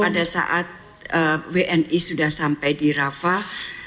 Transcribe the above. pada saat wni sudah sampai di rafah